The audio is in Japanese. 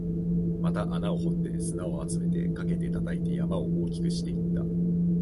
また穴を掘って、砂を集めて、かけて、叩いて、山を大きくしていった